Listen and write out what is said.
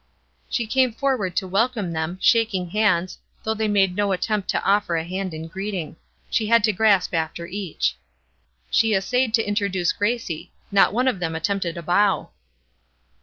She came forward to welcome them, shaking hands, though they made no attempt to offer a hand in greeting. She had to grasp after each. She essayed to introduce Gracie; not one of them attempted a bow.